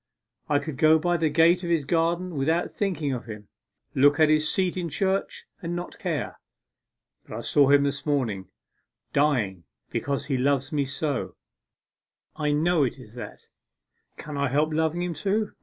I could go by the gate of his garden without thinking of him look at his seat in church and not care. But I saw him this morning dying because he loves me so I know it is that! Can I help loving him too?